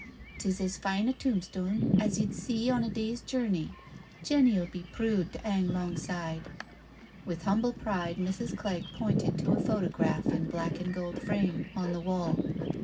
Tis as fine a tombstone as ye*d see on a day*s journey — Jenny*ull be prood to 'ang 'longside.*' With humble pride Mrs. Clegg pointed to a photograph in black and gold frame on the wall.